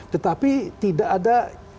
tetapi tidak ada